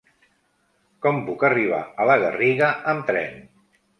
Com puc arribar a la Garriga amb tren?